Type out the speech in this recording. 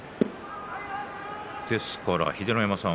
ですから秀ノ山さん